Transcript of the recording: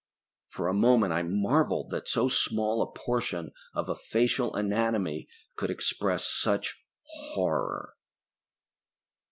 For a moment I marveled that so small a portion of a facial anatomy could express such horror.